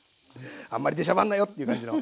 あんまり出しゃばんなよ！っていう感じの。